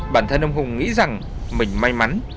bản thân ông hùng nghĩ rằng mình may mắn